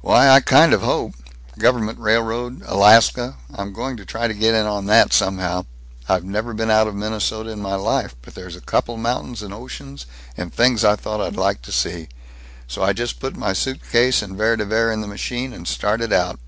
"Why, I kind of hope Government railroad, Alaska. I'm going to try to get in on that, somehow. I've never been out of Minnesota in my life, but there's couple mountains and oceans and things I thought I'd like to see, so I just put my suitcase and Vere de Vere in the machine, and started out.